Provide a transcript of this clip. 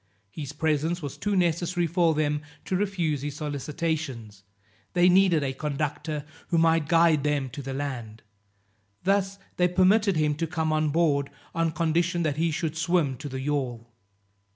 His presence was too necessary for them to refuse his solicitations, they needed a conductor who might guide them to the land; thus they permitted him to come on board, on condition that he should swim to the yawl.